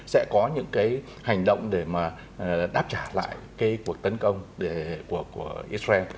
sẽ có những cái hành động để mà đáp trả lại cái cuộc tấn công của israel